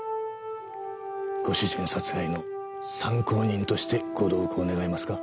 ご主人殺害の参考人としてご同行願えますか。